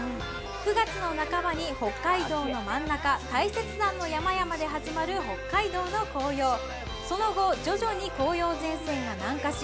９月の半ばに北海道の真ん中大雪山の山々で始まる北海道の紅葉、その後徐々に紅葉前線が南下し